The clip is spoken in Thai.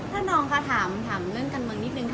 ถ้าน้องค่ะถามเรื่องกันเมืองนิดนึง